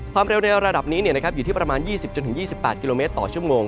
เร็วในระดับนี้อยู่ที่ประมาณ๒๐๒๘กิโลเมตรต่อชั่วโมง